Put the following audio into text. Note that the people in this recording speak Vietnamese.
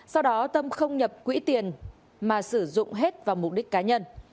sau đó tâm không nhập quỹ tiền mà sử dụng hết vào mục đích cá nhân